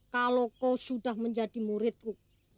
kalau kau sudah menjadi muridku